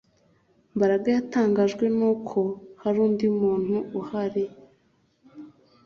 Mbaraga yatangajwe nuko hari undi muntu uhari